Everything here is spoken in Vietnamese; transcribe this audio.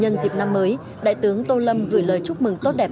nhân dịp năm mới đại tướng tô lâm gửi lời chúc mừng tốt đẹp